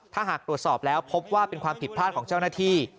ถ้าหากตรวจสอบแล้วพบว่าเป็นความผิดพลาดของเจ้าหน้าที่